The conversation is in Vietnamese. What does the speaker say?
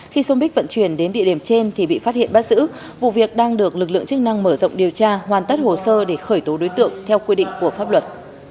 khi som bích vận chuyển đến địa điểm trên thì bị phát hiện bắt giữ vụ việc đang được lực lượng chức năng mở rộng điều tra hoàn tất hồ sơ để khởi tố đối tượng theo quy định của pháp luật